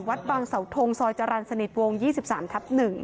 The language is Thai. วัดบางเสาทงซอยจรรย์สนิทวง๒๓ทับ๑